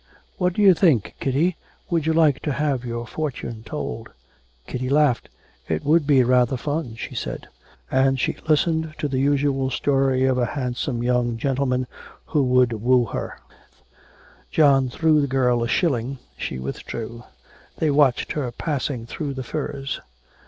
'What do you think, Kitty, would you like to have your fortune told?' Kitty laughed. 'It would be rather fun,' she said. And she listened to the usual story of a handsome young gentleman who would woo her, win her, and give her happiness and wealth. John threw the girl a shilling. She withdrew. They watched her passing through the furze.